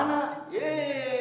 bingsan pakai air aduh